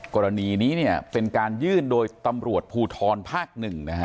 กรณีนี้เนี่ยเป็นการยื่นโดยตำรวจภูทรภาคหนึ่งนะฮะ